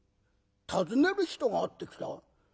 訪ねる人があって来た？